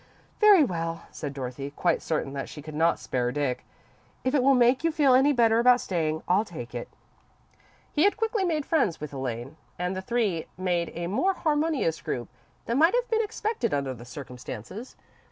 "Very well," said Dorothy, quite certain that she could not spare Dick. "If it will make you feel any better about staying, I'll take it." He had quickly made friends with Elaine, and the three made a more harmonious group than might have been expected under the circumstances.